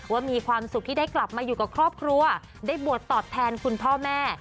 ว่ามีความสุขที่ได้กลับมาอยู่กับครอบครัวได้บวชตอบแทนคุณพ่อแม่